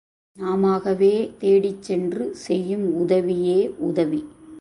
நாமாகவே தேடிச் சென்று செய்யும் உதவியே உதவி.